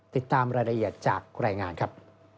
ติดตามรายละเอียดจากรายงานครับ